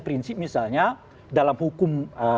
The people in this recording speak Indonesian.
prinsip misalnya dalam hukum